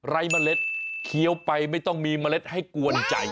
เมล็ดเคี้ยวไปไม่ต้องมีเมล็ดให้กวนใจ